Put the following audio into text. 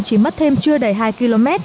chỉ mất thêm chưa đầy hai km